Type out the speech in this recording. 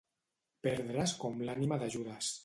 Perdre's com l'ànima de Judes.